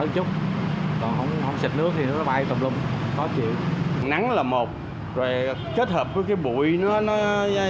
chứ nếu mà giờ phòng trống